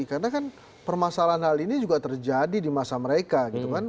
karena kan permasalahan hal ini juga terjadi di masa mereka gitu kan